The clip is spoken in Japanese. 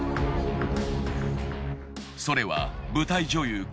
それは舞台女優